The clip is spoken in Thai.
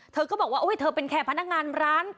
เธอก็บอกว่าเธอเป็นแค่พนักงานร้าน